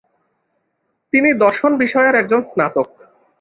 তিনি দর্শন বিষয়ের একজন স্নাতক।